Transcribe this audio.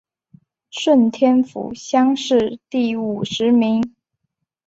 顺天府乡试第五十名。